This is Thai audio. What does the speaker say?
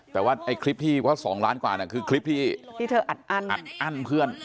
แต่ว่าไอ้คลิปที่ว่า๒ล้านกว่าคือคลิปที่อัดอั้นเพื่อน